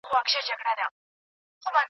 ایا تا د مونوګراف موضوع ټاکلي ده؟